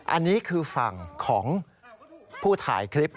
อันนี้คือฝั่งของผู้ถ่ายคลิป